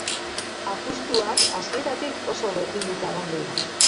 Apustuak, hasieratik oso berdinduta egon dira.